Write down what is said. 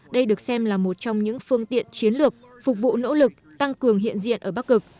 đây được xem là một trong những phương tiện chiến lược phục vụ nỗ lực tăng cường hiện diện ở bắc cực